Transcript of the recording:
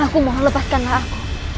aku mohon lepaskanlah aku